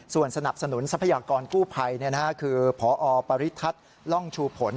ส่วนสนับสนุนทรัพยากรกู้ภัยคือพอปริทัศน์ร่องชูผล